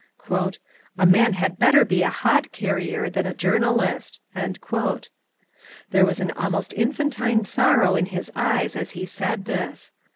^^ A man had better be a hod carrier than a jour nalist." There was an almost infantine sorrow in his eyes as he said this.